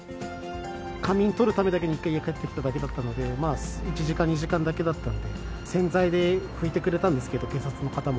仮眠取るためだけに１回帰ってきただけだったんで、まあ、１時間、２時間だけだったんで、洗剤で拭いてくれたんですけど、警察の方も。